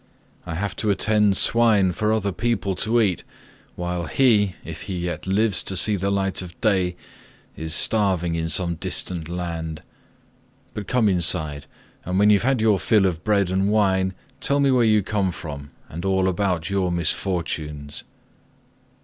I have to attend swine for other people to eat, while he, if he yet lives to see the light of day, is starving in some distant land. But come inside, and when you have had your fill of bread and wine, tell me where you come from, and all about your misfortunes."